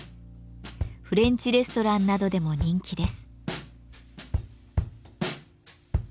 フレンチレストランなどでも人気です。